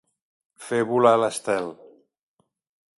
Fer volar l'estel.